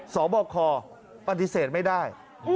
สอบคอปฏิเสธไม่ได้